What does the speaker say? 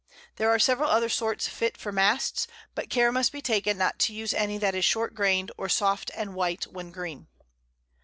There are several other sorts fit for Masts, but Care must be taken not to use any that is short grain'd, or soft and white when green.